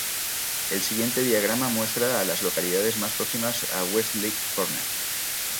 El siguiente diagrama muestra a las localidades más próximas a Westlake Corner.